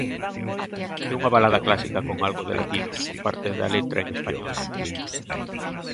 É unha balada clásica con algo de latino, con parte da letra en español.